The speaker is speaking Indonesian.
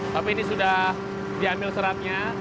tapi ini sudah diambil seratnya